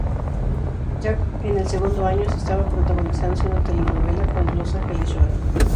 Ya en el segundo año estaba protagonizando una telenovela, "Cuando los ángeles lloran".